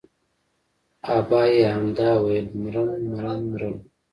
ابا يې همدا ويل مرم مرم مرم.